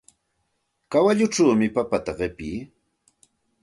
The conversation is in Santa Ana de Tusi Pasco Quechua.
Kawalluchawmi papata qipii.